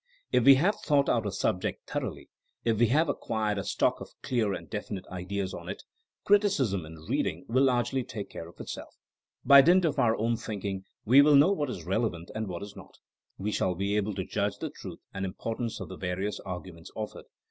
If we have thought out a subject thoroughly, if we have acquired a stock of clear and definite ideas on it, criticism in reading will largely take care of itself. By dint of our own thinking we will know what is relevant and what is not ; we shall be able to judge the truth and importance of the various arguments offered.